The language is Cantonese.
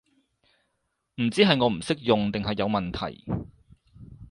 唔知係我唔識用定係有問題